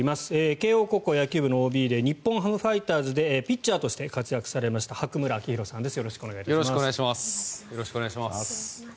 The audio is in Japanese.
慶応高校野球部のＯＢで日本ハムファイターズでピッチャーとして活躍されました白村明弘さんです。